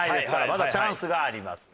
まだチャンスがあります。